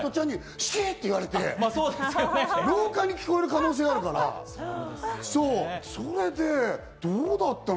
ミトちゃんにシ！って言われて、廊下に聞こえる可能性あるから、それでどうだったの？